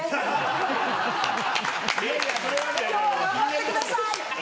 今日は頑張ってください！